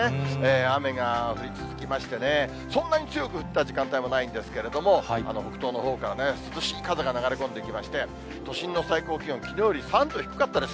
雨が降り続きましてね、そんなに強く降った時間帯もないんですけれども、北東のほうからね、涼しい風が流れ込んできまして、都心の最高気温、きのうより３度低かったです。